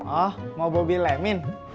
oh mau bobi lemin